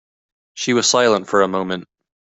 She was silent for a moment.